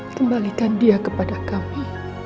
kembalikan dia kepada kami